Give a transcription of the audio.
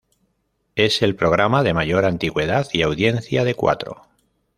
Es el programa de mayor antigüedad y audiencia de Cuatro.